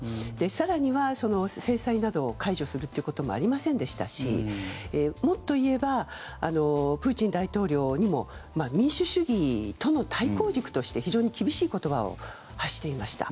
更には、制裁などを解除するということもありませんでしたしもっといえばプーチン大統領にも民主主義との対抗軸として非常に厳しい言葉を発していました。